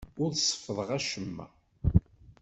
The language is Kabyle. Ur seffḍeɣ acemma.